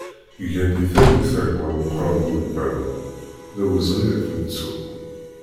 Gen di talwit a gma Mukrab Ulban, d awezɣi ad k-nettu!